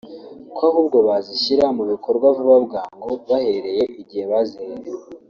ko ahubwo bazishyira mu bikorwa vuba na bwangu bahereye igihe baziherewe